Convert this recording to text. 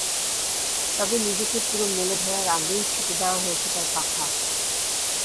তবে নিজেকে পুরো মেলে ধরার আগেই ছেঁটে দেওয়া হয়েছে তাঁর পাখা।